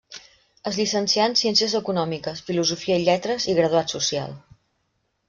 Es llicencià en Ciències Econòmiques, Filosofia i Lletres i Graduat Social.